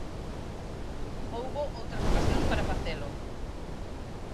Houbo outras ocasións para facelo.